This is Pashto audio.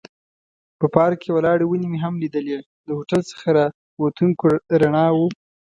په پارک کې ولاړې ونې مې هم لیدلې، د هوټل څخه را وتونکو رڼاوو.